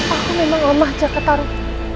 aku memang allah jakarta ruh